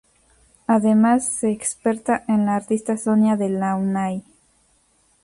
Además, es experta en la artista Sonia Delaunay.